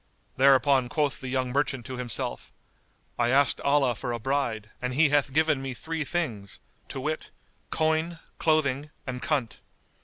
Thereupon quoth the young merchant to himself, "I asked Allah for a bride, and He hath given me three things, to wit, coin, clothing, and coynte."